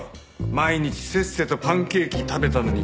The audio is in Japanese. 毎日せっせとパンケーキ食べたのに空振りだった。